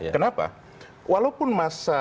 kenapa walaupun masa